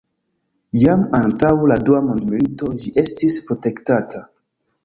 Jam antaŭ la dua mondmilito ĝi estis protektata.